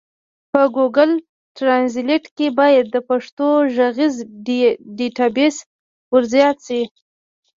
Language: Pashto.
په ګوګل ټرانزلېټ کي بايد د پښتو ږغيز ډيټابيس ورزيات سي.